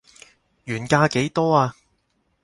原價幾多啊